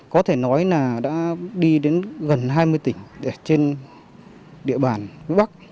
có thể nói là đã đi đến gần hai mươi tỉnh trên địa bàn phía bắc